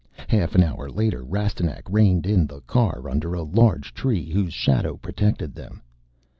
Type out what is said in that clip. Half an hour later Rastignac reined in the car under a large tree whose shadow protected them.